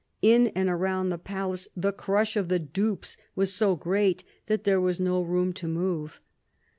In and round the palace the crush of the dupes was so great that there was no room to move.